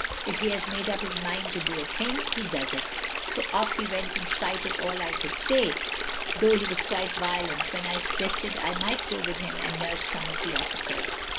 If he has made up his mind to do a thing, he does it. So off he went in spite of all I could say ; though he was quite violent when I suggested I might go with him and nurse some of the officers.